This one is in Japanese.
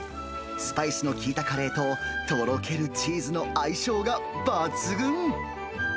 スパイスの効いたカレーととろけるチーズの相性が抜群。